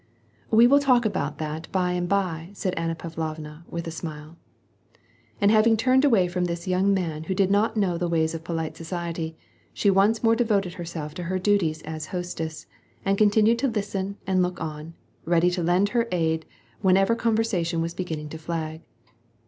" We will talk about that by and by," said Anna Pavlovna, with a smile. And having turned away from this young man who did not know the ways of polite society, she once more devoted herself to her duties as hostess, and continued to listen and look on, ready to lend her aid wherever conversation was beginning to flag.